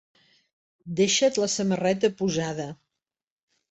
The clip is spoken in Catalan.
Deixa't la samarreta posada.